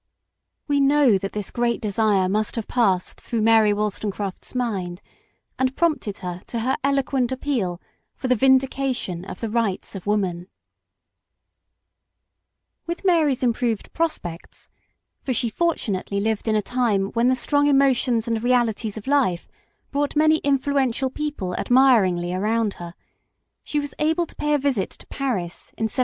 We know that this great desire must have passed through Mary Wollstonecraft 's mind and prompted her to her eloquent appeal for the " vindication of the rights of woman." PARENTAGE. 9 With Mary's improved prospects, for she fortunately lived in a time when the strong emotions and realities of life brought many influential people admiringly around her, she was able to pay a visit to Paris in 1792.